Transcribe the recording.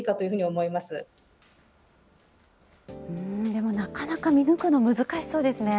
でもなかなか見抜くの難しそうですね。